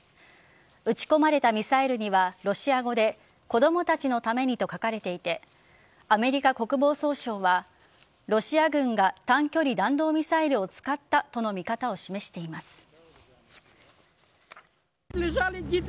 撃ち込まれたミサイルにはロシア語で子供たちのためにと書かれていてアメリカ国防総省はロシア軍が短距離弾道ミサイルを使ったとの見方を示しています。